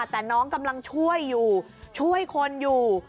แต่น้องกำลังช่วยอยู่ช่วยคนอยู่